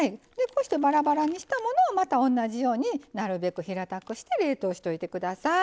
こうしてバラバラにしたものをまた同じようになるべく平たくして冷凍しといてください。